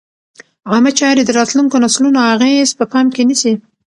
عامه چارې د راتلونکو نسلونو اغېز په پام کې نیسي.